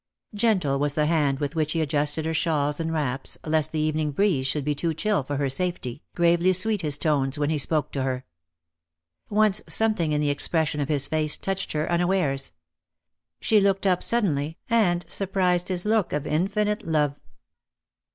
Gentle was the hand with which he adjusted her shawls and wraps, lest the evening breeze should be too chill for her safety, gravely sweet his tones when he spoke to her. Once something in the expression of his face touched her unawares. She looked up suddenly, and surprised his look of infinite love.